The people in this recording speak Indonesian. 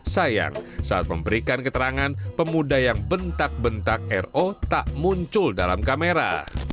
sayang saat memberikan keterangan pemuda yang bentak bentak ro tak muncul dalam kamera